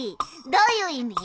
どういう意味？